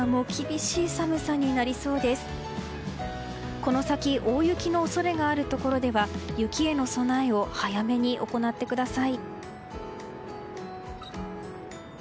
この先大雪の恐れがあるところでは雪への備えを早めに行ってください。